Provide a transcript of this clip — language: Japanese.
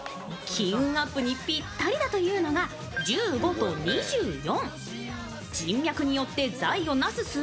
金運アップにぴったりだというのが１５と２４。